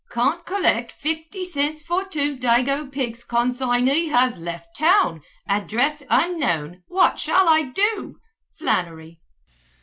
"Can't collect fifty cents for two dago pigs consignee has left town address unknown what shall I do? Flannery."